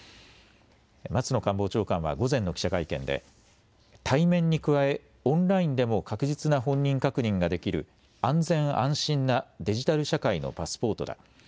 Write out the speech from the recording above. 松野官房長官は午前の記者会見で対面に加えオンラインでも確実な本人確認ができる安全安心なデジタル社会のパスポートだ。